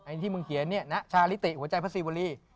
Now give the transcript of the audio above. ที่มึงเขียนเนี่ยณชาลิติหัวใจพระศิวรี